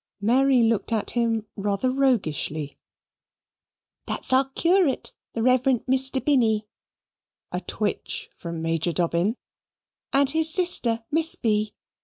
Mary looked at him rather roguishly. "That is our curate, the Reverend Mr. Binny (a twitch from Major Dobbin), and his sister Miss B.